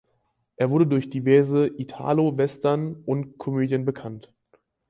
Er wurde durch diverse Italo-Western und Komödien bekannt.